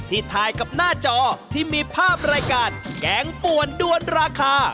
ถ่ายกับหน้าจอที่มีภาพรายการแกงป่วนด้วนราคา